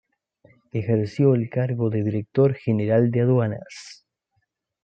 Ejerció el cargo de Director General de Aduanas.